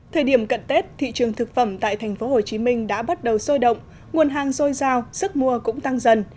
thời điểm cận tết thị trường thực phẩm tại tp hcm đã bắt đầu sôi động nguồn hàng dôi dao sức mua cũng tăng dần